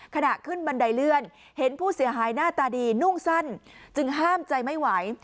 ขณะขึ้นบันไดเลื่อนเห็นผู้เสียหายหน้าตาดีนุ่งสั้นจึงห้ามใจไม่ไหว